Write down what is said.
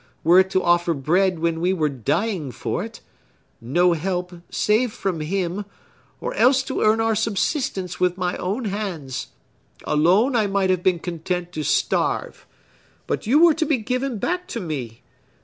were it to offer bread when we were dying for it,—no help, save from him, or else to earn our subsistence with my own hands! Alone, I might have been content to starve. But you were to be given back to me!